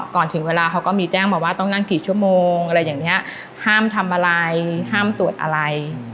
ถึงเวลาเขาก็มีแจ้งมาว่าต้องนั่งกี่ชั่วโมงอะไรอย่างนี้ห้ามทำอะไรห้ามตรวจอะไร